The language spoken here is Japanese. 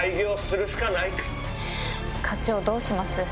課長どうします？